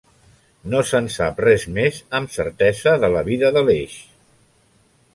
No se'n sap res més amb certesa de la vida d'Aleix.